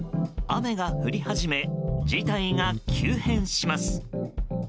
雨が降り始め事態が急変します。